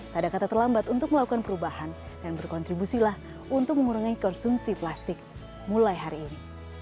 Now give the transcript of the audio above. tak ada kata terlambat untuk melakukan perubahan dan berkontribusilah untuk mengurangi konsumsi plastik mulai hari ini